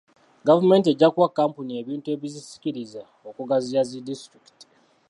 Gavumenti ejja kuwa Kkampuni ebintu ebizisikiriza okugaziya zi disitulikiti.